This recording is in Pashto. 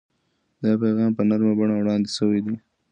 دا پیغام په نرمه بڼه وړاندې شوی دی.